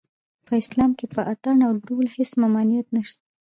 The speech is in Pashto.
په اسلام کې په اټن او ډول هېڅ ممانعت نشته